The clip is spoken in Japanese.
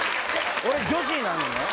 ・俺女子なのね。